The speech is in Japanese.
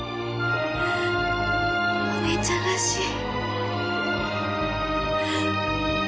お姉ちゃんらしい。